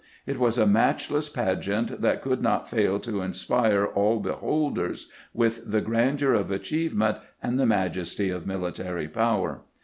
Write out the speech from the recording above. It was a matchless pageant that could not fail to inspire all beholders with the grandeur of achievement and the majesty of military power.